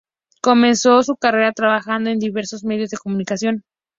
Comenzó su carrera trabajando en diversos medios de comunicación.